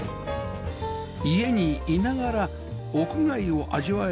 家に居ながら屋外を味わえる ＬＤＫ